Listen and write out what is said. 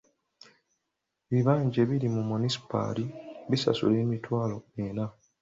Ebibanja ebiri mu munisipaali bisasula emitwalo ena.